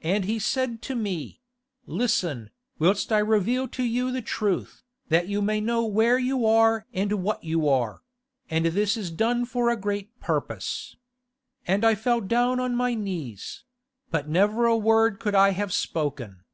And he said to me: "Listen, whilst I reveal to you the truth, that you may know where you are and what you are; and this is done for a great purpose." And I fell down on my knees; but never a word could I have spoken.